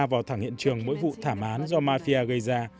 vào thẳng hiện trường mỗi vụ thảm án do mafia gây ra